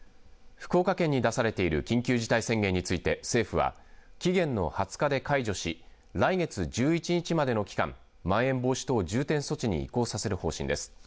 福岡県に出されている緊急事態宣言について政府は期限の２０日で解除し来月１１日までの期間まん延防止等重点措置に移行させる方針です。